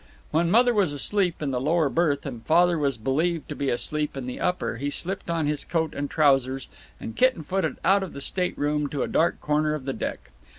When Mother was asleep in the lower berth and Father was believed to be asleep in the upper he slipped on his coat and trousers and kitten footed out of the state room to a dark corner of the deck.